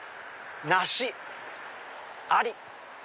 梨あり！